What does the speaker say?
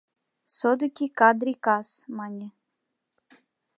«Содыки Кáдри кас», — мане.